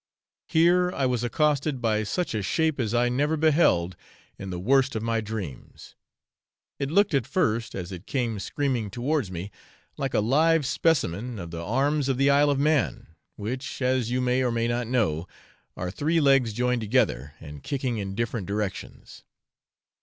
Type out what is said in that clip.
Here I was accosted by such a shape as I never beheld in the worst of my dreams; it looked at first, as it came screaming towards me, like a live specimen of the arms of the Isle of Man, which, as you may or may not know, are three legs joined together, and kicking in different directions.